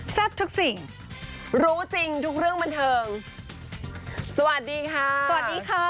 ทุกสิ่งรู้จริงทุกเรื่องบันเทิงสวัสดีค่ะสวัสดีค่ะ